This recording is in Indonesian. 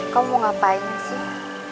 kamu mau ngapain disini